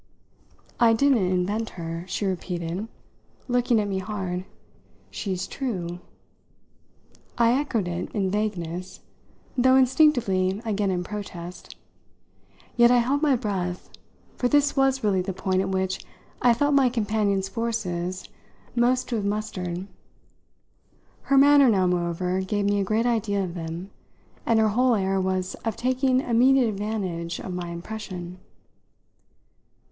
"I didn't invent her," she repeated, looking at me hard. "She's true." I echoed it in vagueness, though instinctively again in protest; yet I held my breath, for this was really the point at which I felt my companion's forces most to have mustered. Her manner now moreover gave me a great idea of them, and her whole air was of taking immediate advantage of my impression.